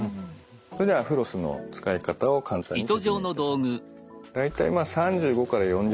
それではフロスの使い方を簡単に説明いたします。